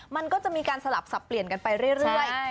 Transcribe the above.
มันก็จะมีการสลับสับเปลี่ยนกันไปเรื่อย